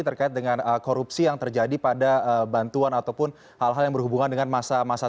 terkait dengan korupsi yang terjadi pada bantuan ataupun hal hal yang berhubungan dengan masa masa